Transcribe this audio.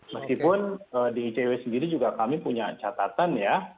meskipun di icw sendiri juga kami punya catatan ya